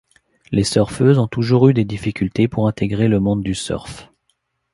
Les surfeuses ont toujours eu des difficultés pour intégrer le monde du surf.